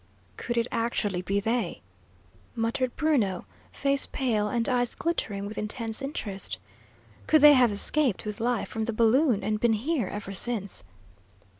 "Could it actually be they?" muttered Bruno, face pale and eyes glittering with intense interest. "Could they have escaped with life from the balloon, and been here ever since?"